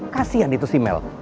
kasian itu si mel